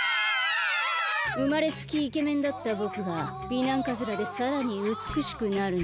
うまれつきイケメンだったぼくが美男カズラでさらにうつくしくなるなんて。